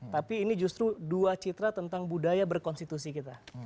tapi ini justru dua citra tentang budaya berkonstitusi kita